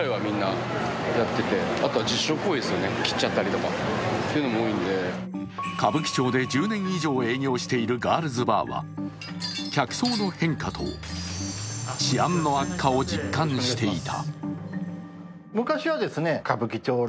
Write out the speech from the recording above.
特に気になっているのが歌舞伎町で１０年以上営業しているガールズバーは客層の変化と治安の悪化を実感していた。